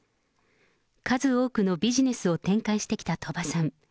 数多くのビジネスを展開してきた鳥羽さん。